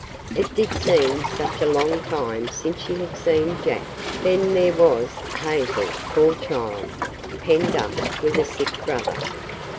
It did seem such a long time since she had seen Jack; then there was Hazel, poor child, penned up with a sick brother.